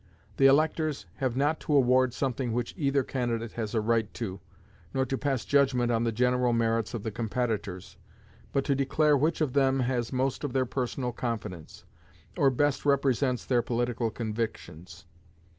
The electors have not to award something which either candidate has a right to, nor to pass judgment on the general merits of the competitors, but to declare which of them has most of their personal confidence, or best represents their political convictions.